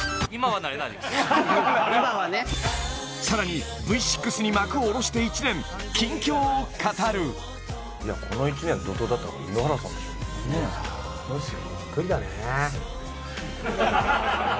さらにＶ６に幕を下ろして１年近況を語るうんそうですよ